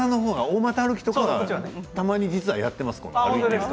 大股歩きとかはたまに、実はやっています。